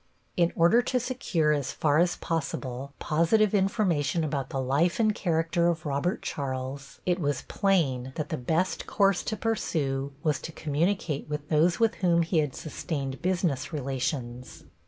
In order to secure as far as possible positive information about the life and character of Robert Charles, it was plain that the best course to pursue was to communicate with those with whom he had sustained business relations.